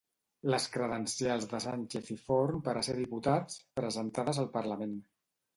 Les credencials de Sànchez i Forn per a ser diputats, presentades al Parlament.